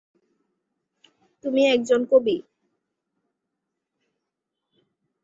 তুমি একজন কবি।